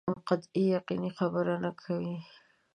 قطعي یقیني خبره نه کوي.